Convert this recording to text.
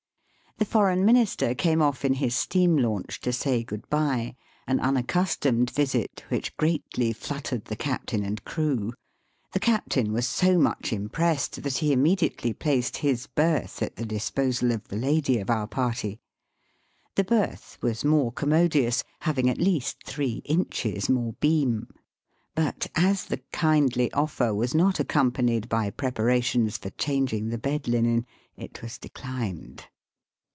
The Foreign Minister came off in his steam launch to say good bye, an unaccustomed visit which greatly fluttered the captain and crew. The captain was so much impressed that he immediately placed his berth at the disposal of the lady of our party. The berth was more commodious, having at least three inches more beam. But as the kindly offer was not accompanied by preparations for changing the bed linen, it was declined.